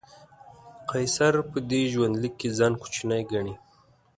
قیصر په دې ژوندلیک کې ځان کوچنی ګڼي.